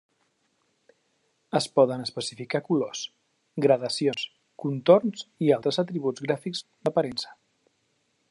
Es poden especificar colors, gradacions, contorns, i altres atributs gràfics d'aparença.